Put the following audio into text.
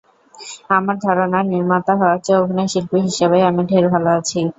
আমার ধারণা, নির্মাতা হওয়ার চেয়ে অভিনয়শিল্পী হিসেবেই আমি ঢের ভালো আছি।